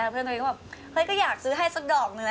เพื่อนตัวเองก็แบบเฮ้ยก็อยากซื้อให้สักดอกหนึ่ง